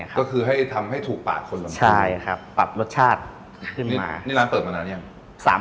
ก็คือให้ทำให้ถูกปากคนลำทานปรับรสชาติขึ้นมานี่ร้านเปิดมานานยัง